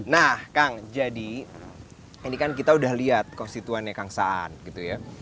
nah kang jadi ini kan kita udah lihat konstituennya kang saan gitu ya